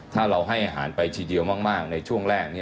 ถ้าเราให้อาหารไปทีเดียวมากในช่วงแรก